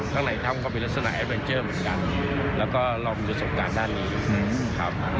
ข้างในทำของมีลักษณะแอฟเวรเจอร์เหมือนกันแล้วก็รอวินโยสการฯด้านนี้ครับ